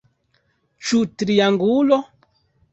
Ĉu triangulo?